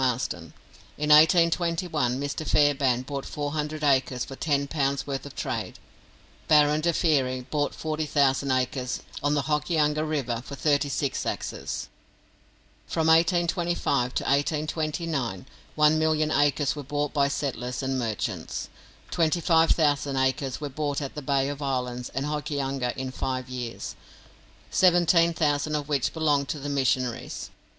Marsden. In 1821 Mr. Fairbairn bought four hundred acres for ten pounds worth of trade. Baron de Thierry bought forty thousand acres on the Hokianga River for thirty six axes. From 1825 to 1829 one million acres were bought by settlers and merchants. Twenty five thousand acres were bought at the Bay of Islands and Hokianga in five years, seventeen thousand of which belonged to the missionaries.